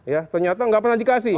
ya ternyata nggak pernah dikasih